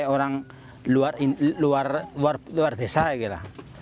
orang luar desa